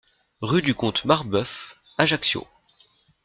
Rue du Comte Marbeuf, Ajaccio